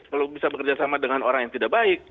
belum bisa bekerja sama dengan orang yang tidak baik